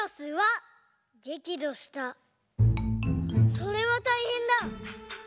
それはたいへんだ！